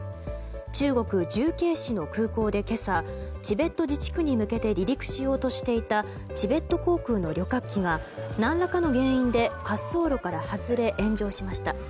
中国・重慶市の空港で今朝チベット自治区に向けて離陸しようとしていたチベット航空の旅客機が何らかの原因で滑走路から外れ、炎上しました。